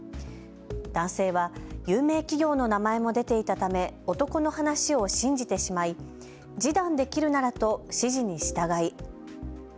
男性は有名企業の名前も出ていたため男の話を信じてしまい示談できるならと指示に従い。